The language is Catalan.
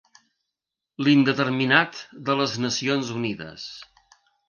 L'indeterminat de les Nacions Unides.